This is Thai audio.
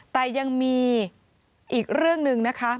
แต่ยังมีอีกเรื่องหนึ่งนะคะ